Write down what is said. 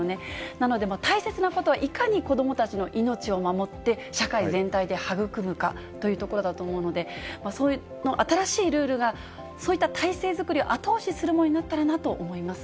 なので、大切なことはいかに子どもたちの命を守って、社会全体で育むかというところだと思うので、その新しいルールが、そういった体制作りを後押しするものになったらなと思います。